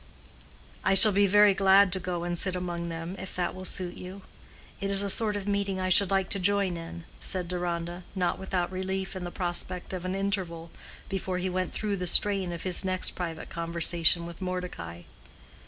"I shall be very glad to go and sit among them, if that will suit you. It is a sort of meeting I should like to join in," said Deronda, not without relief in the prospect of an interval before he went through the strain of his next private conversation with Mordecai.